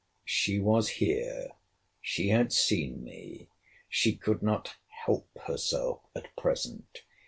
She was here. She had seen me. She could not help herself at present.